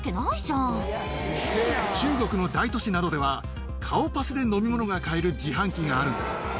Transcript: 中国の大都市などでは、顔パスで飲み物が買える自販機があるんです。